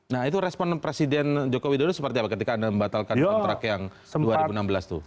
nah itu respon presiden jokowi dodo seperti apa ketika anda membatalkan kontrak yang dua ribu enam belas itu